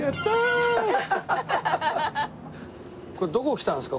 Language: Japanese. これどこ来たんですか？